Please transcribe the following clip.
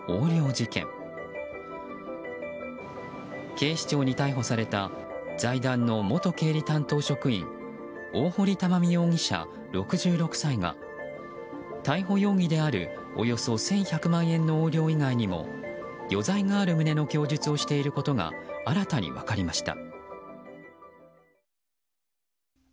警視庁に逮捕された財団の元経理担当職員大堀たまみ容疑者、６６歳が逮捕容疑であるおよそ１１００万円の横領以外にも余罪がある旨の供述をしていることが新たに分かりました。